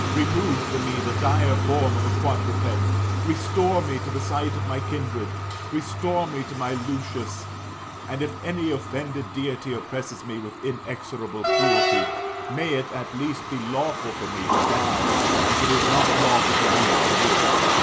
Remove from me the dire form of a quadruped, restore me to the sight of my kindred, restore me to my Lucius [1.^, to my self]. And if any offended deity oppresses me with inexorable cruelty, may it at least be lawful for me to die, if it is not lawful for me to live [in my proper shape]."